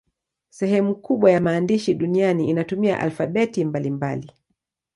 Sehemu kubwa ya maandishi duniani inatumia alfabeti mbalimbali.